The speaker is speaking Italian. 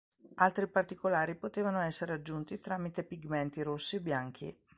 Altri particolari potevano essere aggiunti tramite pigmenti rossi o bianchi.